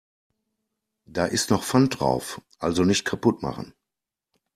Da ist noch Pfand drauf, also nicht kaputt machen.